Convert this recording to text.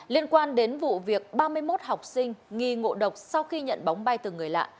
liên quan đến vụ việc ba mươi một học sinh nghi ngộ độc sau khi nhận bóng bay từ người lạ